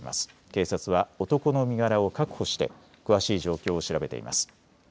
警察は男の身柄を確保して詳しい状況を調べています。